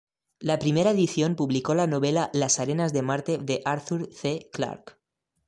La primera edición publicó la novela Las arenas de Marte de Arthur C. Clarke.